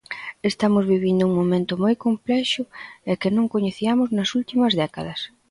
Estamos vivindo un momento moi complexo e que non coñeciamos nas últimas décadas.